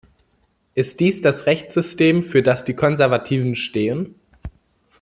Ist dies das Rechtssystem, für das die Konservativen stehen?